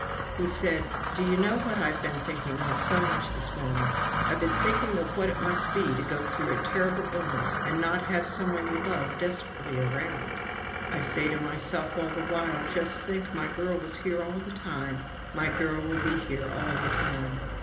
He said: "Do you know what I've been thinking of so much this morning? I've been thinking of what it must be to go through a terrible illness and not have some one you loved desperately around. I say to myself all the while: 'Just think, my girl was here all the time my girl will be here all the time!'